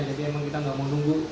jadi memang kita gak mau nunggu